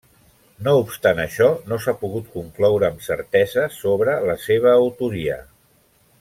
No obstant això, no s'ha pogut concloure amb certesa sobre la seva autoria.